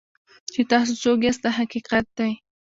چې تاسو څوک یاست دا حقیقت دی.